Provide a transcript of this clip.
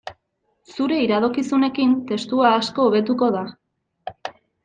Zure iradokizunekin testua asko hobetuko da.